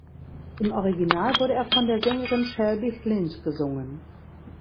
Im Original wurde er von der Sängerin Shelby Flint gesungen.